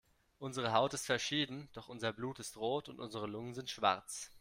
Unsere Haut ist verschieden, doch unser Blut ist rot und unsere Lungen sind schwarz.